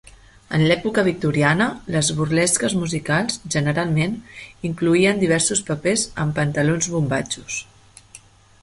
En l'època victoriana, les burlesques musicals generalment incloïen diversos papers amb pantalons bombatxos.